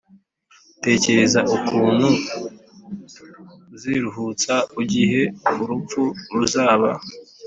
Tekereza ukuntu uziruhutsa igihe urupfu ruzaba